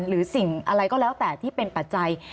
หรือสิ่งอะไรก็แล้วแต่ที่เป็นปัจจัย